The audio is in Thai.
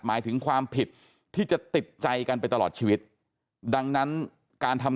หมายถึงความผิดที่จะติดใจกันไปตลอดชีวิตดังนั้นการทำ